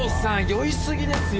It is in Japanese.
酔い過ぎですよ。